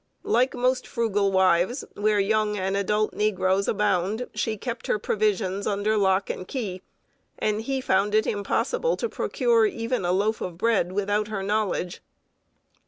Like most frugal wives, where young and adult negroes abound, she kept her provisions under lock and key, and he found it impossible to procure even a loaf of bread without her knowledge.